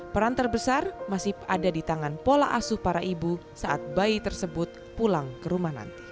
peran terbesar masih ada di tangan pola asuh para ibu saat bayi tersebut pulang ke rumah nanti